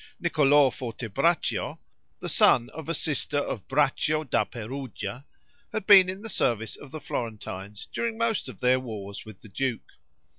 Niccolo Fortebraccio, the son of a sister of Braccio da Perugia, had been in the service of the Florentines during most of their wars with the duke.